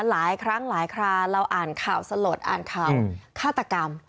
หลายครั้งหลายคราเราอ่านข่าวสลดอ่านข่าวฆาตกรรม